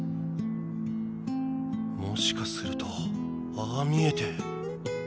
もしかするとああ見えて。